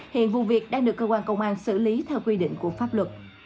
hiện vụ việc đang được cơ quan công an xử lý theo quy định của pháp luật